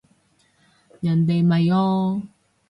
人哋咪哦